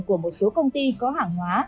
của một số công ty có hàng hóa